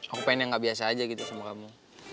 aku pengen yang gak biasa aja gitu sama kamu